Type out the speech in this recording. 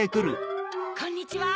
こんにちは。